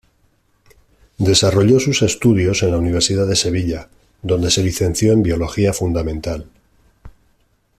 Desarrolló sus estudios en la Universidad de Sevilla, donde se licenció en Biología Fundamental.